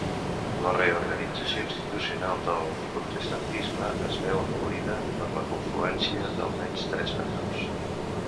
La reorganització institucional del protestantisme es veu afavorida per la confluència d'almenys tres factors.